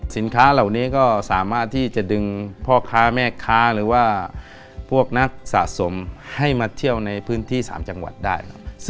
สินค้าเหล่านี้ก็สามารถที่จะดึงพ่อค้าแม่ค้าหรือว่าพวกนักสะสมให้มาเที่ยวในพื้นที่๓จังหวัดได้ครับ